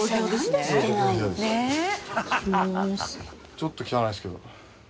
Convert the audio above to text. ちょっと汚いですけど。